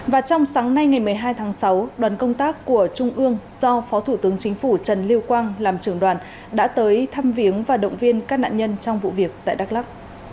và trong sáng nay ngày một mươi hai tháng sáu đoàn công tác của trung ương do phó thủ tướng chính phủ trần lưu quang làm trưởng đoàn đã tới thăm viếng và động viên các nạn nhân trong vụ việc tại đắk lắc